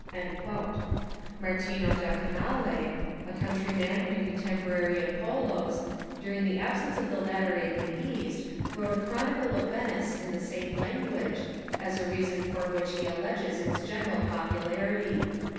§ Martino da Canale, a countryman and contem porary of Polo's, during the absence of the latter in the East wrote a Chronicle of Venice in the same language, as a reason for which he alleges its general popularity.